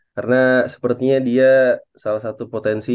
karena sepertinya dia salah satu potensi